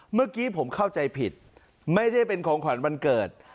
เมื่อกี้ผมเข้าใจผิดไม่ได้เป็นของขวัญวันเกิด